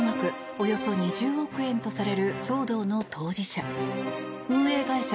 およそ２０億円とされる騒動の当事者運営会社